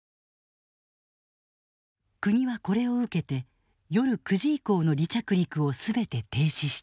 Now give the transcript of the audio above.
国はこれを受けて夜９時以降の離着陸を全て停止した。